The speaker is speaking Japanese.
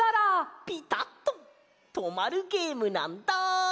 ピタッととまるゲームなんだ。